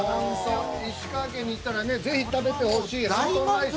石川県に行ったら、ぜひ食べてほしいハントンライス。